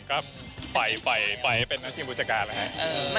ก็ไปไปเป็นหน้าที่ผู้จัดการแหละค่ะ